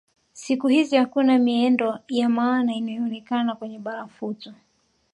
Siku hizi hakuna miendo ya maana inayoonekana kwenye barafuto